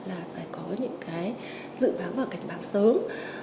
là phải có những cái dự báo và cảnh báo sớm